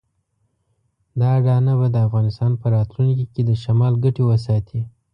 دا اډانه به د افغانستان په راتلونکي کې د شمال ګټې وساتي.